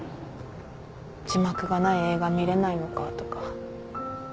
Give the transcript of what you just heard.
字幕がない映画見れないのかとか。